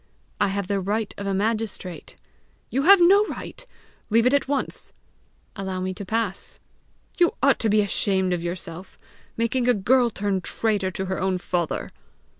"I have the right of a magistrate." "You have no right. Leave it at once." "Allow me to pass." "You ought to be ashamed of yourself making a girl turn traitor to her own father!"